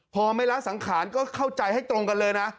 พอไม่ละสังขารก็เข้าใจให้ตรงกันเลยนะ